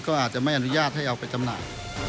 ก็อาจจะไม่อนุญาตให้เอาไปจำหน่าย